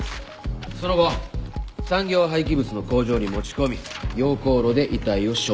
その後産業廃棄物の工場に持ち込み溶鉱炉で遺体を処分した。